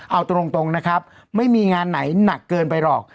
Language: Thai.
เอาตรงนะครับไม่มีงานไหนหนักเกินไปหรอก